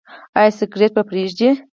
ایا سګرټ به پریږدئ؟